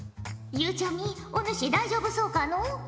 ゆうちゃみお主大丈夫そうかのう？